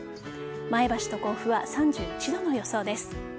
前橋と甲府は３１度の予想です。